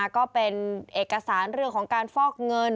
ก็เป็นเอกสารเรื่องของการฟอกเงิน